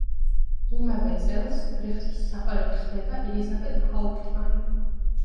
იმავე წელს ბრეხტის საყვარელი ხდება ელიზაბეტ ჰაუპტმანი.